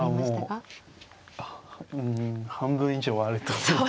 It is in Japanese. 今はもううん半分以上はあると思います。